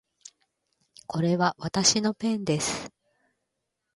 これはわたしのペンです